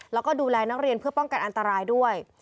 แล้วก็ดูแลนักเรียนเพื่อป้องกันอันตรายด้วย